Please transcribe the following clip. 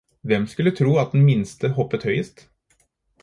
Hvem skulle tro at den minste hoppet høyest?!